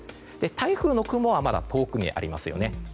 台風の雲はまだ遠くにありますよね。